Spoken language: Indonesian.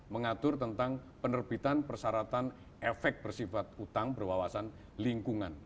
mengatur tentang penerbitan persyaratan efek bersifat utang berwawasan lingkungan